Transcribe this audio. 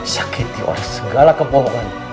sakiti oleh segala kebohongan